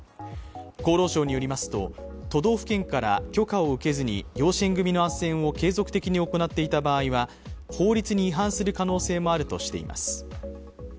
厚労省によりますと、都道府県から許可を受けずに養子縁組のあっせんを継続的に行っていた場合は法律に違反する可能性もあるとしています。